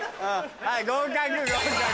はい合格合格。